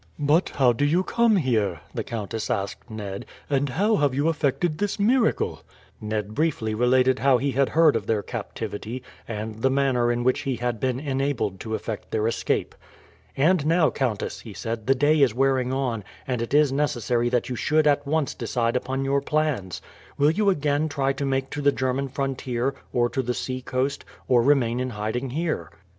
"But how do you come here?" the countess asked Ned, "and how have you effected this miracle?" Ned briefly related how he had heard of their captivity, and the manner in which he had been enabled to effect their escape. "And now, countess," he said, "the day is wearing on, and it is necessary that you should at once decide upon your plans. Will you again try to make to the German frontier or to the sea coast, or remain in hiding here?"